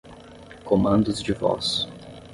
Comandos de voz.